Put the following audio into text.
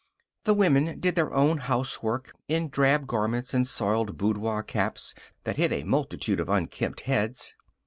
The women did their own housework in drab garments and soiled boudoir caps that hid a multitude of unkempt heads.